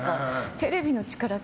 テレビの力って。